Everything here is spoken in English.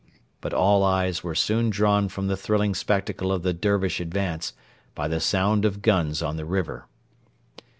But all eyes were soon drawn from the thrilling spectacle of the Dervish advance by the sound of guns on the river.